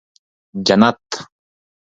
جنت